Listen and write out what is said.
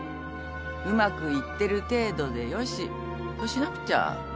うまくいってる程度でよしとしなくちゃ。